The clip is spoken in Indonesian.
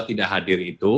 tidak hadir itu